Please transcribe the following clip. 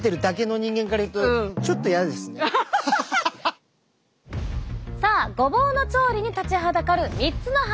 ちょっとさあごぼうの調理に立ちはだかる３つのハードル。